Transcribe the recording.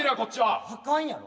あかんやろ。